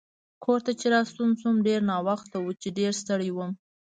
کور ته چې راستون شوم ډېر ناوخته و چې ډېر ستړی وم.